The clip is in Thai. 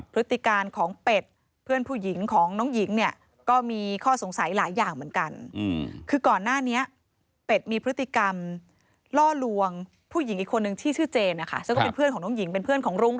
พฤติการของเป็ดเพื่อนผู้หญิงของน้องหญิงเนี่ยก็มีข้อสงสัยหลายอย่างเหมือนกัน